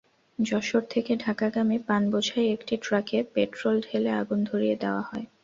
যশোর থেকে ঢাকাগামী পানবোঝাই একটি ট্রাকে পেট্রল ঢেলে আগুন ধরিয়ে দেওয়া হয়।